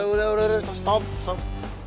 udah udah udah stop stop